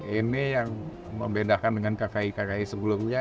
ini yang membedakan dengan kki kki sebelumnya